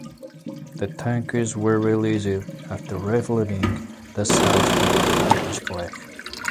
The tankers were released after reflagging themselves with the British flag.